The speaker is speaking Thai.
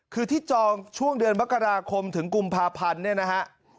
คือที่จองช่วงเดือนมกราคมถึงกุมภาพันธ์เนี่ยนะฮะ